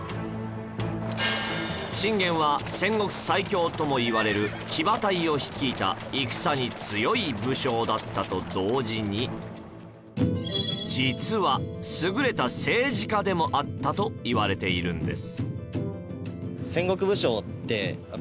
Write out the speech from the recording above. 信玄は戦国最強ともいわれる騎馬隊を率いた戦に強い武将だったと同時にでもあったと言われているんです